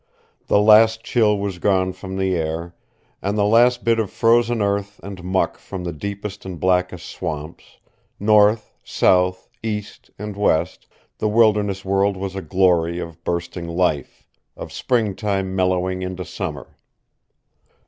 The last chill was gone from the air, and the last bit of frozen earth and muck from the deepest and blackest swamps, North, south, east and west the wilderness world was a glory of bursting life, of springtime mellowing into summer.